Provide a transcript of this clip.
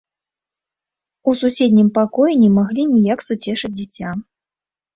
У суседнім пакоі не маглі ніяк суцешыць дзіця.